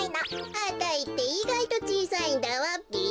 あたいっていがいとちいさいんだわべ。